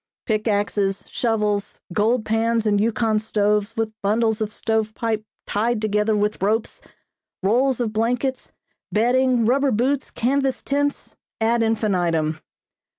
Pick axes, shovels, gold pans and Yukon stoves with bundles of stove pipe tied together with ropes, rolls of blankets, bedding, rubber boots, canvas tents, ad infinitum.